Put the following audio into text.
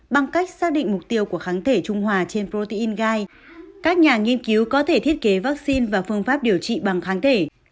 bằng cách xác định mục tiêu của kháng thể trung hòa trên protein gai các nhà nghiên cứu có thể thiết kế vaccine và phương pháp điều trị bằng kháng thể